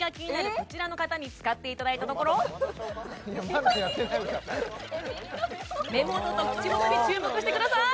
こちらの方に使っていただいたところ目元と口元に注目してください